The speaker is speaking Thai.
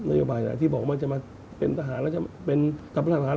นโยไบอ่ะที่บอกว่าจะมาเป็นตำรวจอาหาร